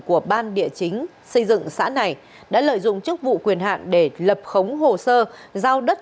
của ban địa chính xây dựng xã này đã lợi dụng chức vụ quyền hạn để lập khống hồ sơ giao đất